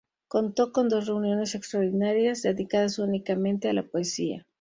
Contó con dos reuniones extraordinarias dedicadas únicamente a la poesía.